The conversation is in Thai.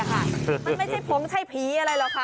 มันไม่ใช่ผมไม่ใช่ผีอะไรล่ะค่ะ